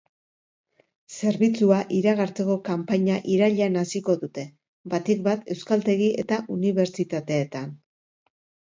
Zerbitzua iragartzeko kanpaina irailean hasiko dute, batik bat euskaltegi eta unibertsitateetan.